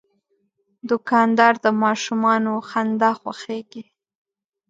دوکاندار د ماشومانو د خندا خوښیږي.